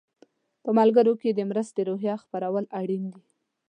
په ملګرو کې د مرستې روحیه خپرول اړین دي.